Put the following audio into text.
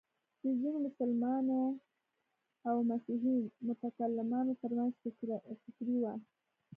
د ځینو مسلمانو او مسیحي متکلمانو تر منځ فکري وه.